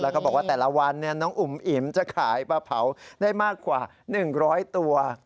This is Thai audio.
แล้วก็บอกว่าแต่ละวันน้องอุ๋มอิ๋มจะขายปลาเผาได้มากกว่า๑๐๐ตัว